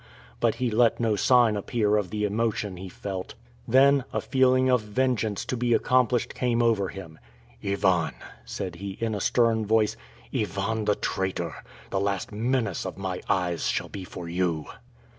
But he let no sign appear of the emotion he felt. Then, a feeling of vengeance to be accomplished came over him. "Ivan," said he, in a stern voice, "Ivan the Traitor, the last menace of my eyes shall be for you!"